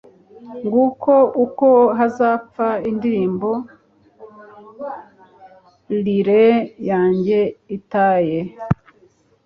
nguko uko hazapfa indirimbo lyre yanjye itaye